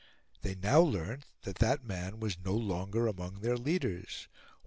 They now learnt that that man was no longer among their leaders.